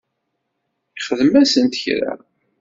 Ixdem-asent kra?